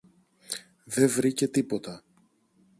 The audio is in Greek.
δε βρήκε τίποτα.